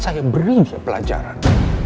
saya beri dia pelajaran